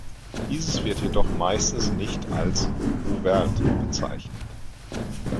Dieses wird jedoch meistens nicht als "Ouvert" bezeichnet.